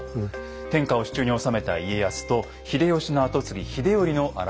天下を手中に収めた家康と秀吉の跡継ぎ秀頼の争いでした。